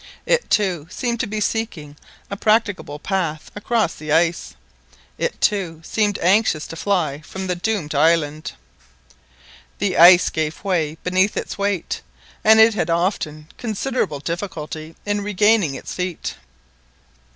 It, too, seemed to be seeking a practicable path across the ice—it, too, seemed anxious to fly from the doomed island. The ice gave way beneath its weight, and it had often considerable difficulty in regaining its feet.